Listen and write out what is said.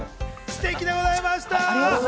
ステキでございました！